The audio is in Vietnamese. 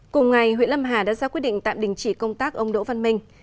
cùng ngày huyện lâm hà đã ra quyết định tạm đình chỉ công tác ông đỗ văn minh